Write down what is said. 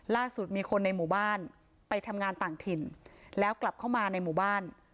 ล่าสุดมีคนในหมู่บ้านไปทำงานต่างถิ่นแล้วกลับเข้ามาในหมู่บ้าน